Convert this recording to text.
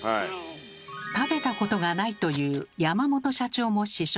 食べたことがないという山本社長も試食。